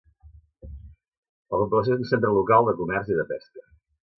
La població és un centre local de comerç i de pesca.